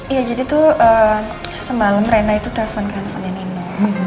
ya jadi tuh semalam rena itu telfon ke handphonenya nino